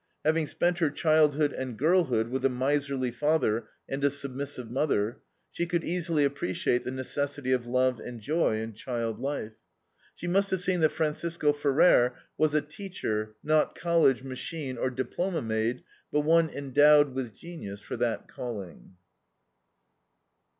Having spent her childhood and girlhood with a miserly father and a submissive mother, she could easily appreciate the necessity of love and joy in child life. She must have seen that Francisco Ferrer was a teacher, not college, machine, or diploma made, but one endowed with genius for that calling.